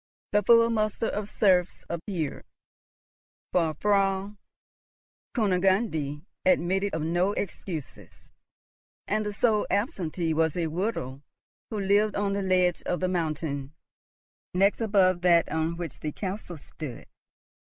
The full muster of serfs appeared, for Frau Kunigunde admitted of no excuses, and the sole absentee was a widow who lived on the ledge of the mountain next above that on which the castle stood.